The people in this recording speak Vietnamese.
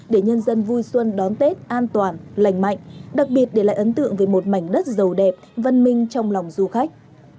để nhân dân vui xuân đón tết an toàn lành mạnh đặc biệt để lại ấn tượng về một mảnh đất giàu đẹp văn minh trong lòng du khách